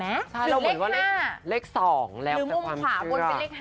เหมือนว่าเลข๒แล้วแต่ความชื่อ